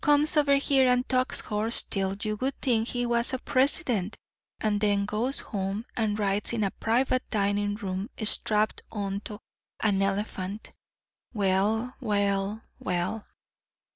Comes over here and talks horse till you would think he was a president; and then goes home and rides in a private dining room strapped onto an elephant. Well, well, well!"